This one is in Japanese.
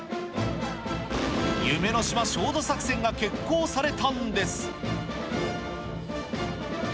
夢の島焦土作戦が決行されたんです。